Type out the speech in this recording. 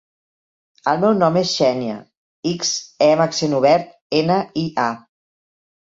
El meu nom és Xènia: ics, e amb accent obert, ena, i, a.